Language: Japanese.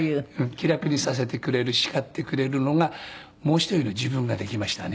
気楽にさせてくれる叱ってくれるのがもう一人の自分ができましたね。